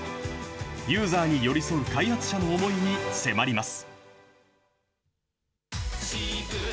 ユーザーに寄り添う開発者の思いに迫ります。